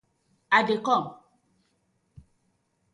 I dey kom.